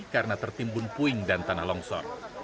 karena tertimbun puing dan tanah longsor